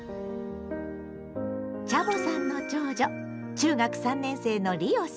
チャボさんの長女中学３年生のりおさん。